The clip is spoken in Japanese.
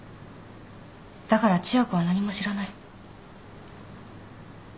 だから千夜子は何も知らない。